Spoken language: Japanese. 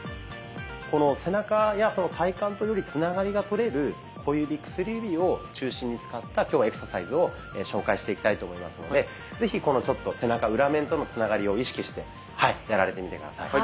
この背中や体幹とよりつながりがとれる小指・薬指を中心に使った今日はエクササイズを紹介していきたいと思いますので是非この背中裏面とのつながりを意識してやられてみて下さい。